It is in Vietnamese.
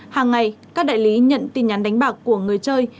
hàng ngày các đại lý nhận tin nhắn đánh bạc của người chơi